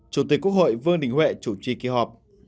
chủ tịch quốc hội vương đình huệ chủ trì kỳ họp